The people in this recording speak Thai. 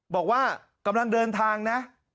บอกว่ากำลังเดินทางนะ